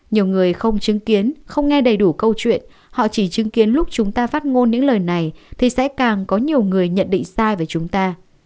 nhiều người không chứng kiến không nghe đầy đủ câu chuyện họ chỉ chứng kiến lúc chúng ta phát ngôn những lời này thì sẽ càng có nhiều người nhận định sai về chúng ta